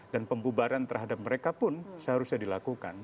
dan pembubaran terhadap mereka pun seharusnya dilakukan